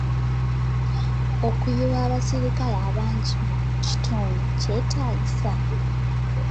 Okuyiwa abaserikale abangi mu kitundu kyetaagisa?